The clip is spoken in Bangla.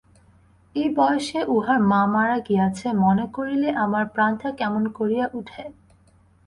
এই বয়সে উহার মা মারা গিয়াছে মনে করিলে আমার প্রাণটা কেমন করিয়া উঠে।